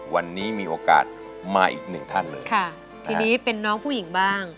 วันนี้มีโอกาสมาอีกหนึ่งท่านเลยค่ะทีนี้เป็นน้องผู้หญิงบ้าง